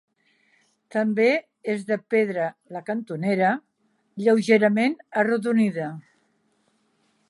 També és de pedra la cantonera, lleugerament arrodonida.